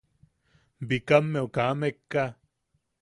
Bikammeu kaa mekka.